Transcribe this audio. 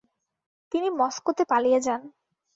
তিনি মস্কোতে পালিয়ে যান।